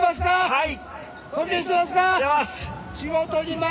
はい。